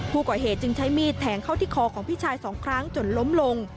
ผู้ก่อเหตุจึงใช้มีดแทงเข้าที่คอของพี่ชายสองครั้งจนล้มลง